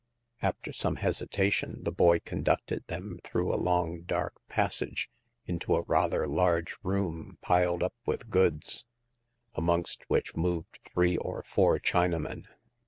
After some hesitation, the boy conducted them through a long dark passage into a rather large room piled up with goods, amongst which moved three or four Chinamen.